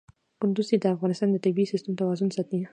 کندز سیند د افغانستان د طبعي سیسټم توازن ساتي.